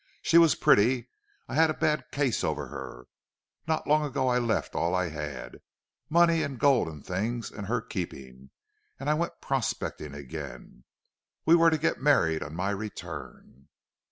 She was pretty. I had a bad case over her. Not long ago I left all I had money and gold and things in her keeping, and I went prospecting again. We were to get married on my return.